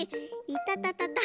いたたたた。